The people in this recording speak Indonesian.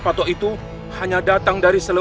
katakan yang sedang dimimpikan